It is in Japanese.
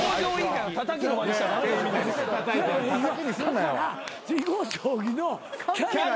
だから囲碁将棋のキャラ。